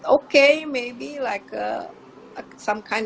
oke mungkin seperti